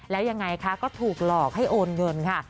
แล้วยังไงคะก็ถูกหลอกให้โอนเงินค่ะ